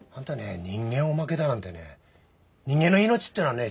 人間をおまけだなんてね人間の命っていうのはね